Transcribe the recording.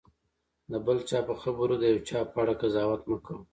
د بل چا په خبرو د یو چا په اړه قضاوت مه کوه.